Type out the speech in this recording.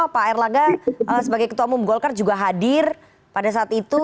pak erlangga sebagai ketua umum golkar juga hadir pada saat itu